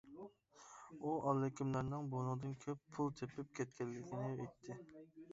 ئۇ ئاللىكىملەرنىڭ بۇنىڭدىن كۆپ پۇل تېپىپ كەتكەنلىكىنى ئېيتتى.